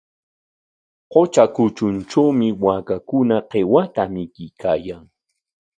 Qutra kutruntrawmi waakakuna qiwata mikuykaayan.